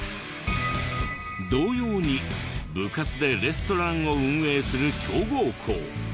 同様に部活でレストランを運営する強豪校。